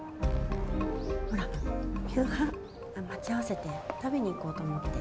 ほら、夕飯、待ち合わせて食べに行こうと思って。